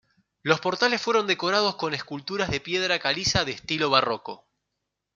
Los portales fueron decorados con esculturas de piedra caliza de estilo barroco.